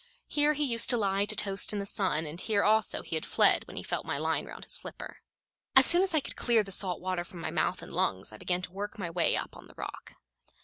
Here he used to lie to toast in the sun, and here also he had fled when he felt my line round his flipper. As soon as I could clear the salt water from my mouth and lungs I began to work my way up on the rock.